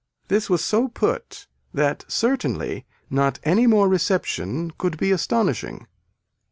This was so put that certainly not any more reception could be astonishing.